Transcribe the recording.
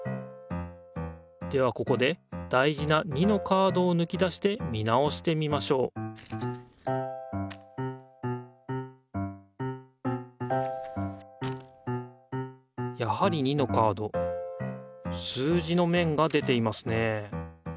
ではここで大事な２のカードをぬき出して見直してみましょうやはり２のカード数字のめんが出ていますね